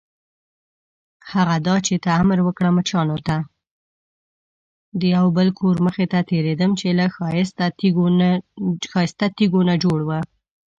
د یو بل کور مخې ته تېرېدم چې له ښایسته تیږو نه جوړ و.